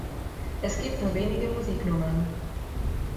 Es gibt nur wenige Musiknummern.